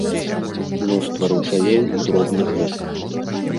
Мноства ручаёў і дробных рэк.